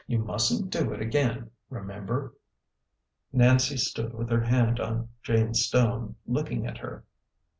You mustn't do it again, remember." Nancy stood with her hand on Jane's stone, looking at her.